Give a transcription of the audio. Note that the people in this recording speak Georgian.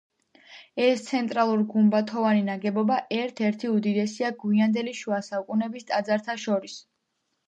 ეს ცენტრალურ გუმბათოვანი ნაგებობა ერთ-ერთი უდიდესია გვიანდელი შუა საუკუნეების ტაძართა შორის.